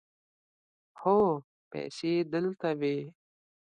هو، پیسې دلته وې